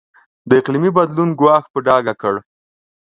د اقلیمي بدلون ګواښ په ډاګه کړ.